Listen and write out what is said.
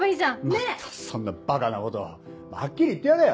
またそんなばかなことはっきり言ってやれ！